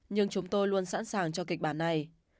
nhưng chúng tôi luôn sẵn sàng cho kịch bản này